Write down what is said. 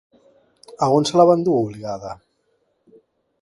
A on se la va endur obligada?